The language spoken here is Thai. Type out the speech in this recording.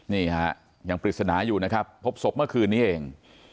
นี่ฮะยังปริศนาอยู่นะครับพบศพเมื่อคืนนี้เอง